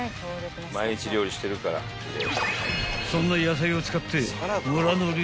［そんな野菜を使って村野流！